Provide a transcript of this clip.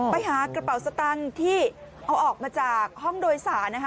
ไปหากระเป๋าสตังค์ที่เอาออกมาจากห้องโดยสารนะคะ